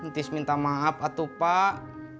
tis minta maaf atuh pak